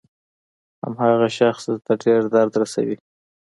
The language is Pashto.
هماغه شخص درته ډېر درد رسوي.